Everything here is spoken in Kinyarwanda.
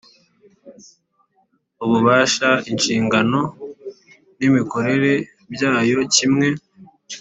.Ububasha inshingano n’imikorere byayo kimwe